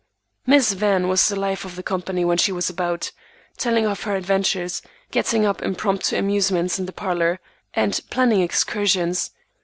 Miss Van was the life of the company when she was about, telling of her adventures, getting up impromptu amusements in the parlor, and planning excursions.